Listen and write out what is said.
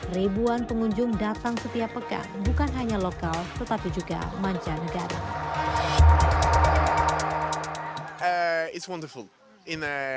ribuan pengunjung datang setiap pekan bukan hanya lokal tetapi juga mancanegara